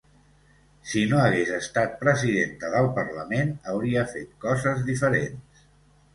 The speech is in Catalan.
Si no hagués estat presidenta del parlament hauria fet coses diferents.